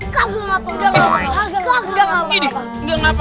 kau gua gapapa